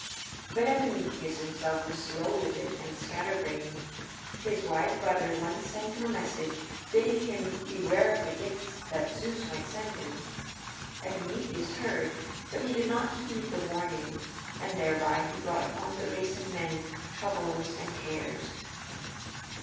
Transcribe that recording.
But Epimetheus himself was slow witted and scatter brained. His wise brother once sent him a message bidding him beware of the gifts that Zeus might send him. Epimetheus heard, but he did not heed the warning, and thereby he brought upon the race of men troubles and cares.